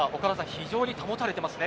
非常に保たれていますね。